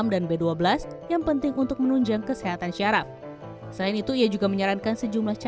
dan b dua belas yang penting untuk menunjang kesehatan syaraf selain itu ia juga menyarankan sejumlah